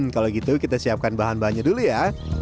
kalau gitu kita siapkan bahan bahannya dulu ya